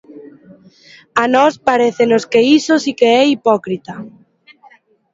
A nós parécenos que iso si que é hipócrita.